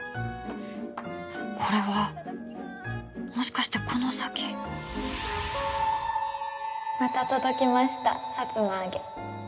これはもしかしてこの先また届きましたさつま揚げ